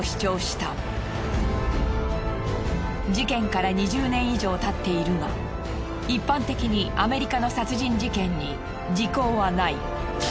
事件から２０年以上経っているが一般的にアメリカの殺人事件に時効はない。